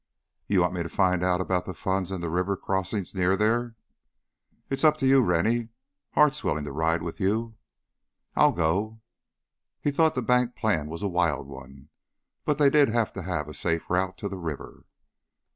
"You want me to find out about the funds and the river crossin' near there?" "It's up to you, Rennie. Hart's willin' to ride with you." "I'll go." He thought the bank plan was a wild one, but they did have to have a safe route to the river.